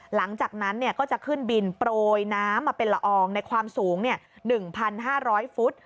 หลังจากนั้นก็จะขึ้นบินโปรยน้ำมาเป็นละอองในความสูง๑๕๐๐ฟุต